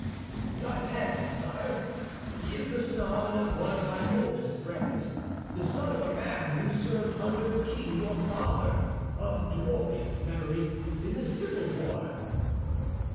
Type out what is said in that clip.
"D'Artagnan, sire; he is the son of one of my oldest friends—the son of a man who served under the king your father, of glorious memory, in the civil war."